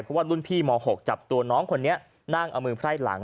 เพราะว่ารุ่นพี่ม๖จับตัวน้องคนนี้นั่งเอามือไพร่หลัง